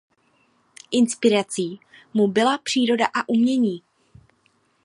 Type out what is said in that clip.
Inspirací mu byla příroda a umění.